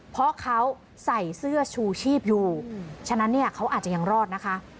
เพราะเขาใส่เสื้อชูชีพอยู่ฉะนั้นเนี่ยเขาอาจจะยังรอดนะคะ